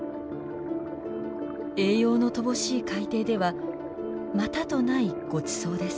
栄養の乏しい海底ではまたとないごちそうです。